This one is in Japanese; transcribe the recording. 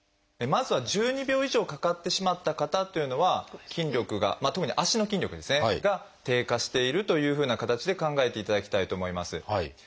まずは１２秒以上かかってしまった方というのは筋力が特に足の筋力ですねが低下しているというふうな形で考えていただきたいと思います。